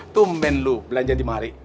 tuh men lo belanja di mari